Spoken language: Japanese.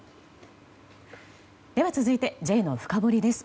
では続いて、Ｊのフカボリです